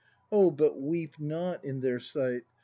Oh, but weep not in their sight.